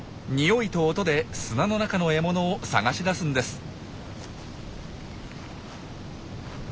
においと音で砂の中の獲物を探し出すんです。